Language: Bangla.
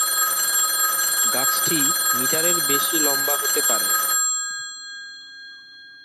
গাছটি মিটারের বেশি লম্বা হতে পারে।